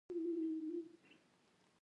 خو و مې نه کړای شول او مجبور شوم.